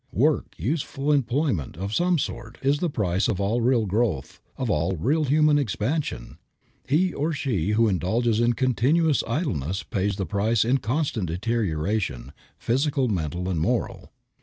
Work, useful employment of some sort, is the price of all real growth, of all real human expansion. He, or she, who indulges in continuous idleness pays the price in constant deterioration, physical, mental and moral.